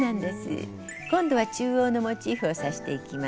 今度は中央のモチーフを刺していきます。